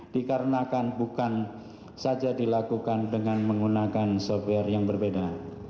dikarenakan bukan saja dilakukan dengan menggunakan software yang berbeda